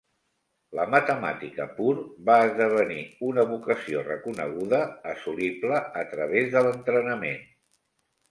La matemàtica pur va esdevenir una vocació reconeguda, assolible a través de l'entrenament.